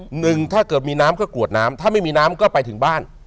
หนึ่งถ้าเกิดมีน้ำก็กรวดน้ำถ้าไม่มีน้ำก็ไปถึงบ้าน